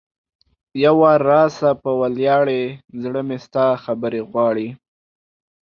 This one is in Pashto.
یو وار راسه په ولیاړې ـ زړه مې ستا خبرې غواړي